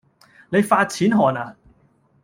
你發錢寒呀